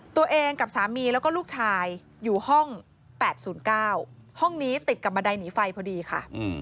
ตัวเองกับสามีแล้วก็ลูกชายอยู่ห้อง๘๐๙ห้องนี้ติดกับบันไดหนีไฟพอดีค่ะ